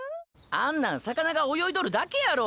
あんなん魚がおよいどるだけやろ？